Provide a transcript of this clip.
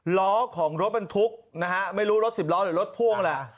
ล้อของรถบรรทุกนะฮะไม่รู้รถสิบล้อหรือรถพ่วงแหละ